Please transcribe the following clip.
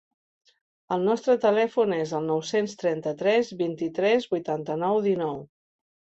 El nostre telèfon és el nou-cents trenta-tres vint-i-tres vuitanta-nou dinou.